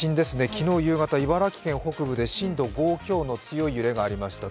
昨日夕方茨城県北部で震度５強の強い揺れがありました。